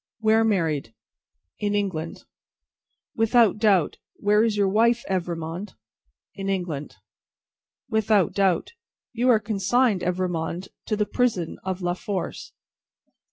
"Where married?" "In England." "Without doubt. Where is your wife, Evrémonde?" "In England." "Without doubt. You are consigned, Evrémonde, to the prison of La Force."